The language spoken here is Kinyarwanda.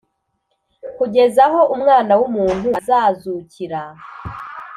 kugeza aho Umwana w’umuntu azazukira.”